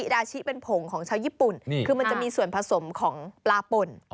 ดาชิเป็นผงของชาวญี่ปุ่นคือมันจะมีส่วนผสมของปลาป่น